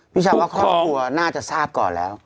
พี่ชาวว่าครอบครัวน่าจะทราบก่อนแล้ว